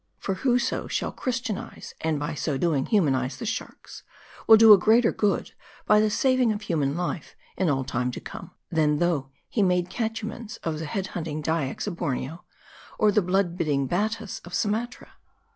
For, whoso shall Chris tianize, and by so doing, humanize the shark*, will do a greater good, by the saving of human life in all time to M A R D I. 333 i come, than though he made catechumens of the head hunt ing Dyaks of Borneo, or the blood bibbing Battas of Sumatra.